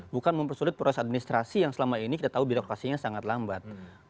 bukan mempersulit proses administrasi yang selama ini kita tahu birokrasinya sangat lambat